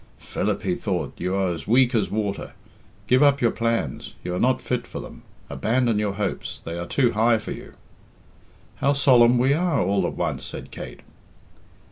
"Philip," he thought, "you are as weak as water. Give up your plans; you are not fit for them; abandon your hopes they are too high for you." "How solemn we are all at once!" said Kate.